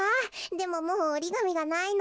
でももうおりがみがないの。